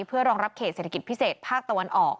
เพื่อรองรับเขตเศรษฐกิจพิเศษภาคตะวันออก